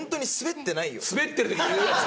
スベってるときに言うやつ。